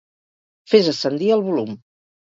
Fes ascendir el volum.